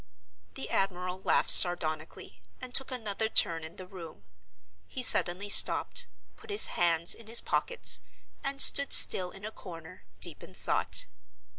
The admiral laughed sardonically, and took another turn in the room. He suddenly stopped, put his hands in his pockets, and stood still in a corner, deep in thought.